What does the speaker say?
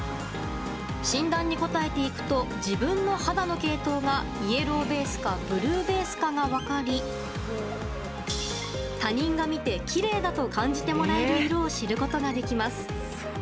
診断に答えていくと自分の肌の系統がイエローベースかブルーベースかが分かり他人が見てきれいだと感じてもらえる色を知ることができます。